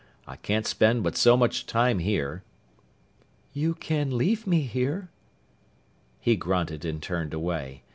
I can't spend but so much time here." "You can leave me here...." He grunted and turned away.